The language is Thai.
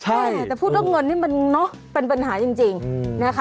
ใช่แต่พูดว่าเงินนี่มันเนอะเป็นปัญหาจริงนะคะ